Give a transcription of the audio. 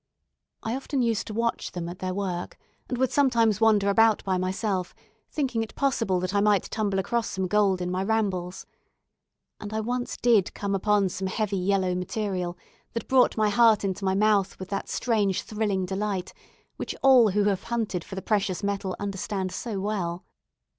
I often used to watch them at their work; and would sometimes wander about by myself, thinking it possible that I might tumble across some gold in my rambles. And I once did come upon some heavy yellow material, that brought my heart into my mouth with that strange thrilling delight which all who have hunted for the precious metal understand so well.